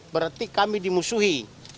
berarti kami dimusuhi